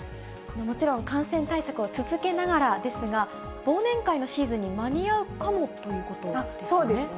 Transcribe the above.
もちろん、感染対策を続けながらですが、忘年会のシーズンに間に合うかもということですね？